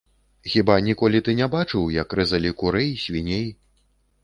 Хіба ніколі ты не бачыў, як рэзалі курэй, свіней.